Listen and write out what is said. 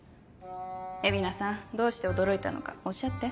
蝦名さんどうして驚いたのかおっしゃって。